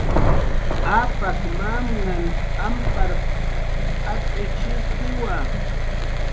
"Apak mamnhan amparp"" atz'ikshuskiwa"